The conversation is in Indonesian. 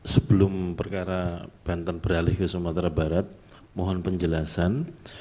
sebelum perkara banten beralih ke sumatera barat mohon penjelasan